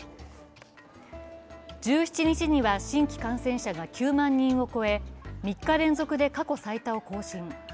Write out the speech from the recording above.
１７日には新規感染者が９万人を超え３日連続で過去最多を更新。